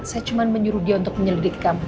saya cuma menyuruh dia untuk menyelidiki